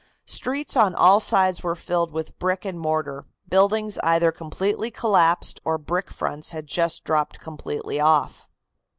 Streets on all sides were filled with brick and mortar, buildings either completely collapsed or brick fronts had just dropped completely off.